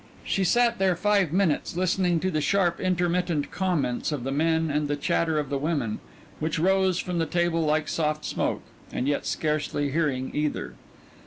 She sat there five minutes, listening to the sharp intermittent comments of the men and the chatter of the women, which rose from the table like soft smoke and yet scarcely hearing either.